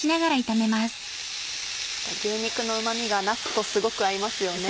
牛肉のうま味がなすとすごく合いますよね。